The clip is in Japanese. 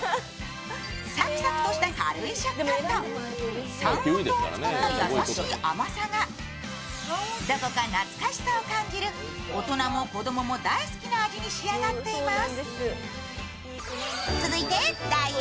サクサクとした軽い食感と、三温糖を使った優しい甘さがどこか懐かしさを感じる、大人も子供も大好きな味に仕上がっています。